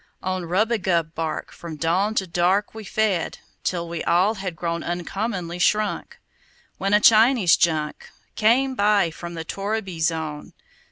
On rubagub bark, from dawn to dark, We fed, till we all had grown Uncommonly shrunk, when a Chinese junk Came by from the torriby zone.